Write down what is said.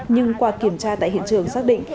nhưng qua kiểm tra tại hiện trường xác định